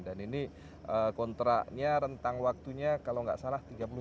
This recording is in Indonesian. dan ini kontraknya rentang waktunya kalau nggak salah tiga puluh tahun ya